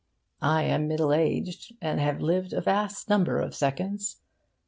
I am middle aged, and have lived a vast number of seconds.